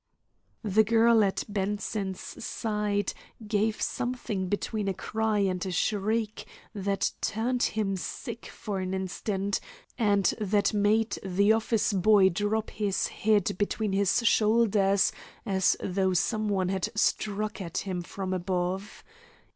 The girl at Bronson's side gave something between a cry and a shriek that turned him sick for an instant, and that made the office boy drop his head between his shoulders as though some one had struck at him from above.